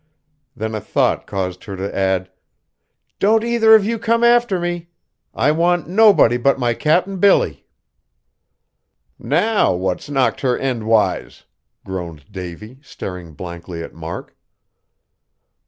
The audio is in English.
Then a thought caused her to add, "Don't either of you come after me! I want nobody but my Cap'n Billy." "Now, what's knocked her endwise?" groaned Davy, staring blankly at Mark.